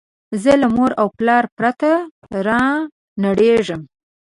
زه له موره او پلاره پرته رانړېږم